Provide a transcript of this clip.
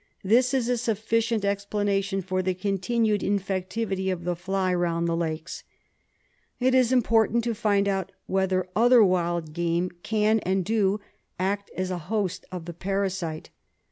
This is a sufficient explanation for the continued infectivity of the fly round the lakes. It is important to find out whether other wild game can, and do, act as a host of the parasite.